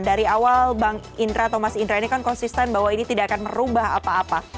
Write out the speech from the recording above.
dari awal bang indra atau mas indra ini kan konsisten bahwa ini tidak akan merubah apa apa